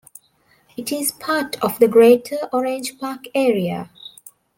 It is part of the greater Orange Park area.